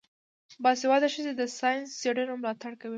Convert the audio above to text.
باسواده ښځې د ساینسي څیړنو ملاتړ کوي.